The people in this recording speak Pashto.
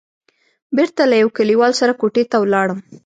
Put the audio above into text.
بېرته له يوه کليوال سره کوټې ته ولاړم.